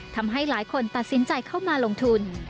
ทำให้หลายคนตัดสินใจเข้ามาลงทุน